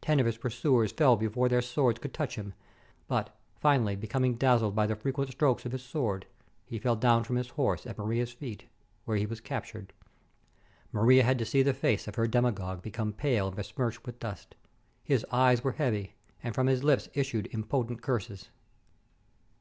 Ten of his pursuers fell before their swords could touch him, 468 THE COMING OF THE COMET but finally becoming dazzled by the frequent strokes of his sword, he fell down from his horse at Maria's feet, where he was captured. Maria had to see the face of her demigod become pale and besmirched with dust. His eyes were heavy, and from his lips issued impotent curses.